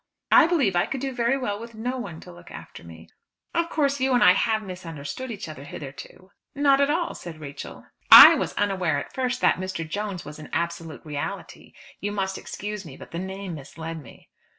"I believe I could do very well with no one to look after me." "Of course you and I have misunderstood each other hitherto." "Not at all," said Rachel. "I was unaware at first that Mr. Jones was an absolute reality. You must excuse me, but the name misled me."